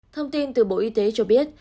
thông tin từ bộ y tế cho biết